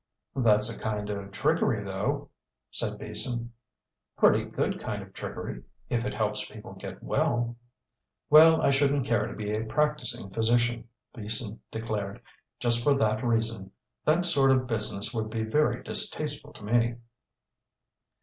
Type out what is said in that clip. "That's a kind of trickery, though," said Beason. "Pretty good kind of trickery, if it helps people get well." "Well I shouldn't care to be a practicing physician," Beason declared, "just for that reason. That sort of business would be very distasteful to me."